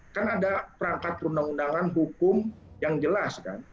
kan ada perangkat perundang undangan hukum yang jelas kan